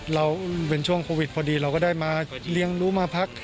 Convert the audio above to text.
เราเป็นช่วงโควิดพอดีเราก็ได้มาเลี้ยงรู้มาพัก